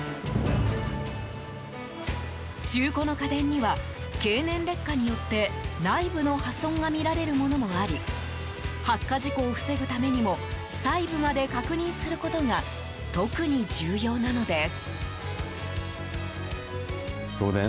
中古の家電には経年劣化によって内部の破損が見られるものもあり発火事故を防ぐためにも細部まで確認することが特に重要なのです。